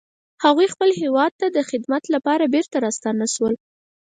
هغوی خپل هیواد ته د خدمت لپاره بیرته راستانه شول